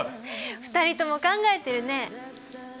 ２人とも考えてるね。